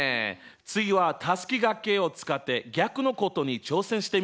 次はたすきがけを使って逆のことに挑戦してみよう！